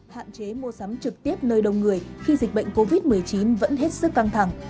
hạn chế mua sắm trực tiếp nơi đông người khi dịch bệnh covid một mươi chín vẫn hết sức căng thẳng